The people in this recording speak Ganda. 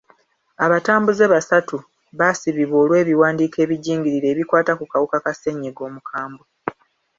Abatambuze basatu baasibibwa olw'ebiwandiiko ebijingirire ebikwata ku kawuka ka sennyiga omukambwe.